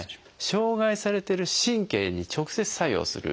障害されてる神経に直接作用する。